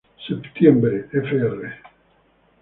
Septiembre, fr.